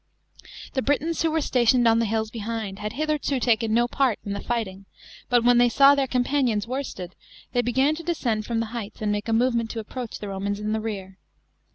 The Britons, who were s atioi ed "ii the hills hehind, had hitherto taken no pan in the fighting, but when they saw their companions worsted, they beg^n to descend from the heights and made a movement to approach the Romans in the rear.